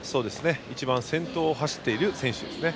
一番先頭を走っている選手ですね。